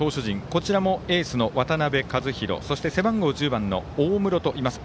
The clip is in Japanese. こちらもエースの渡辺和大そして背番号１０番の大室といます。